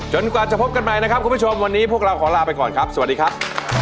กว่าจะพบกันใหม่นะครับคุณผู้ชมวันนี้พวกเราขอลาไปก่อนครับสวัสดีครับ